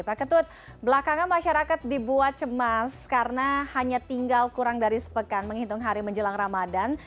pak ketut belakangan masyarakat dibuat cemas karena hanya tinggal kurang dari sepekan menghitung hari menjelang ramadan